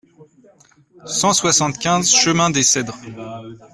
cent soixante-quinze chemin des Cedres